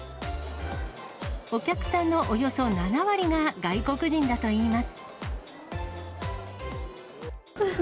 お客さんのおよそ７割が外国人だといいます。